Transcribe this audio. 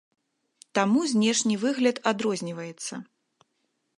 Таму знешні выгляд адрозніваецца.